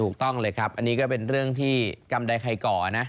ถูกต้องเลยครับอันนี้ก็เป็นเรื่องที่กรรมใดใครก่อนะ